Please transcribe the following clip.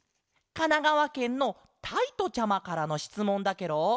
かながわけんのたいとちゃまからのしつもんだケロ。